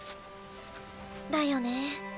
だよね。